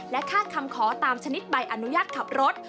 คาดคำขอตามชนิดใบอนุญาตขับรถ